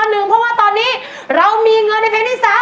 เพราะว่าตอนนี้เรามีเงินในเพลงที่๓